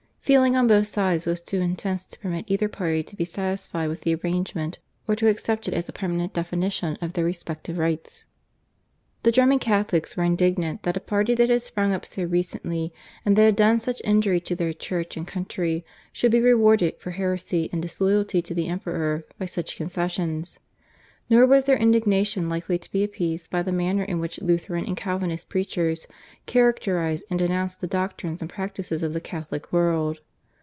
Feeling on both sides was too intense to permit either party to be satisfied with the arrangement or to accept it as a permanent definition of their respective rights. The German Catholics were indignant that a party that had sprung up so recently and that had done such injury to their Church and country, should be rewarded for heresy and disloyalty to the Emperor by such concessions. Nor was their indignation likely to be appeased by the manner in which Lutheran and Calvinist preachers caricatured and denounced the doctrines and practices of the Catholic world.